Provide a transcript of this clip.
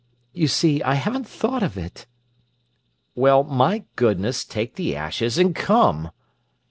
You see, I haven't thought of it." "Well, my goodness! Take the ashes and come."